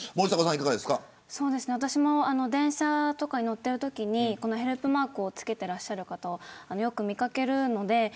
私も電車に乗ってるときにこのヘルプマークを付けていらっしゃる方をよく見掛けるので。